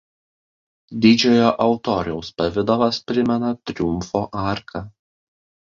Didžiojo altoriaus pavidalas primena triumfo arką.